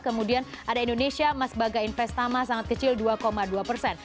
kemudian ada indonesia mas baga investama sangat kecil dua dua persen